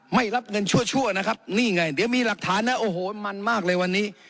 ไม่รับเงินชั่วนะครับนี่ไงเดี๋ยวมีหลักฐานนะโอ้โหมันมากเลยวันนี้